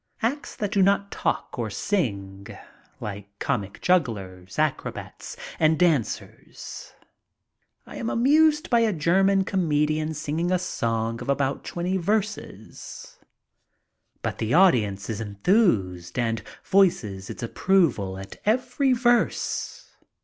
Acts that do not talk or sing, like comic jugglers, acrobats, and dancers. I am amused by a German comedian singing a song of about twenty verses, but the audience is enthused and voices Ii6 MY TRIP ABROAD its approval at every verse.